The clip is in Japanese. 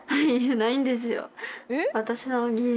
ないんですよ。